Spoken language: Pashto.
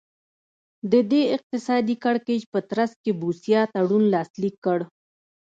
د دې اقتصادي کړکېچ په ترڅ کې بوسیا تړون لاسلیک کړ.